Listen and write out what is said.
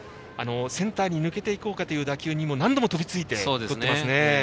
センターに抜けていこうかという当たりにも何度も飛びついてとっていますね。